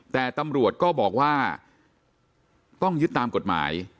แต่ตำรวจก็บอกว่าต้องยึดตามกฎหมาย